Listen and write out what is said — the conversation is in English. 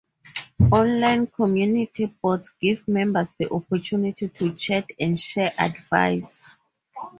Online community boards give members the opportunity to chat and share advice.